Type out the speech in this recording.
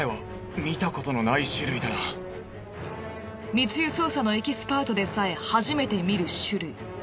密輸捜査のエキスパートでさえ初めて見る種類。